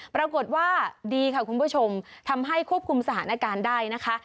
ปรากฏว่าดีค่ะคุณผู้ชมทำให้ควบคุมสถานการณ์ได้นะคะ